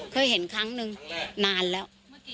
เคยเห็นครั้งหนึ่งนานแล้ว